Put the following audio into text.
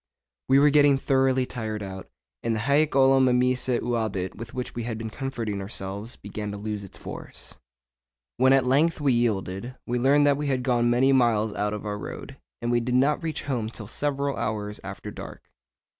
We were getting thoroughly tired out, and the hæc olim meminisse juvabit with which we had been comforting ourselves began to lose its force. When at length we yielded, we learned that we had gone many miles out of our road, and we did not reach home till several hours after dark.